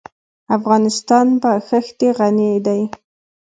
افغانستان په ښتې غني دی.